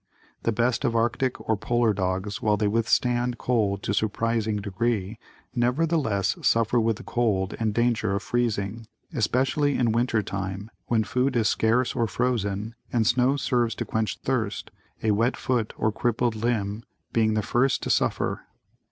The best of Arctic or Polar dogs, while they withstand cold to surprising degree, nevertheless, suffer with the cold and danger of freezing, especially in winter time when food is scarce or frozen and snow serves to quench thirst, a wet foot or crippled limb being the first to suffer.